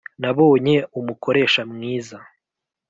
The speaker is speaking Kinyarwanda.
Nabonye umukoresha mwiza